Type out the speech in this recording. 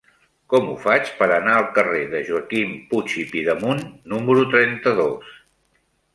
Com ho faig per anar al carrer de Joaquim Puig i Pidemunt número trenta-dos?